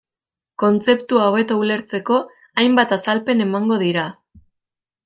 Kontzeptua hobeto ulertzeko, hainbat azalpen emango dira.